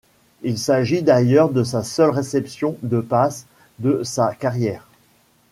Il s'agit d'ailleurs de sa seule réception de passe de sa carrière.